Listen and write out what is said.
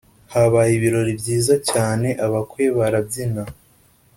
Habaye ibirori byiza cyane abakwe barabyina